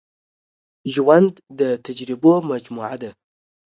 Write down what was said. ژوند د تجربو مجموعه ده.